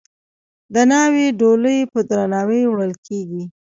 د ناوې ډولۍ په درناوي وړل کیږي.